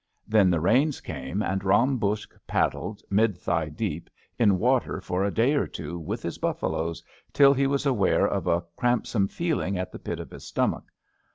Then the rains came, and Ram Buksh paddled, mid thigh deep, in water for a day or two with his buffaloes till he was aware of a cramp some feeling at the pit of his stomach.